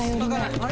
あれ？